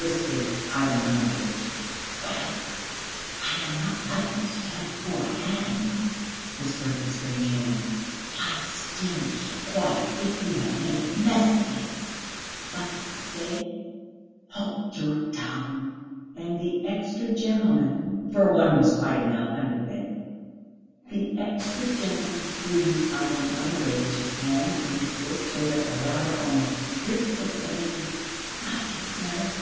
whispered Ivan Andreyitch. "Well, I am not likely to tell you who I am," whispered the strange man. "Lie still and keep quiet, if you have made a mess of things!" "But, I say!..." "Hold your tongue!" And the extra gentleman (for one was quite enough under the bed) the extra gentleman squeezed Ivan Andreyitch's hand in his fist so that the latter almost shrieked with pain. "My dear sir...."